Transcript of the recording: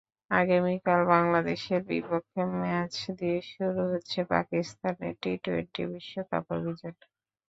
আগামীকাল বাংলাদেশের বিপক্ষে ম্যাচ দিয়ে শুরু হচ্ছে পাকিস্তানের টি-টোয়েন্টি বিশ্বকাপ অভিযান।